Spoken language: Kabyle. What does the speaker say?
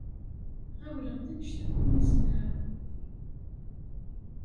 Ɣawleɣ-d anect akk umi zemreɣ.